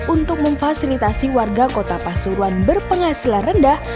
untuk memfasilitasi warga kota pasuruan berpenghasilan rendah